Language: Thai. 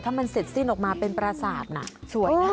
ถ้ามันเสร็จสิ้นออกมาเป็นประสาทน่ะสวยนะ